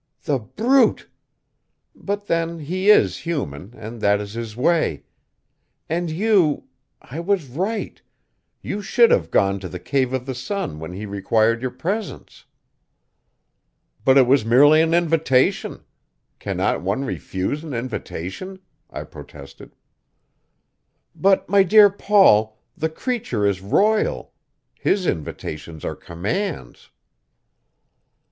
The brute! But then, he is human, and that is his way. And you I was right you should have gone to the Cave of the Sun when he required your presence." "But it was merely an invitation. Cannot one refuse an invitation?" I protested. "But, my dear Paul, the creature is royal his invitations are commands."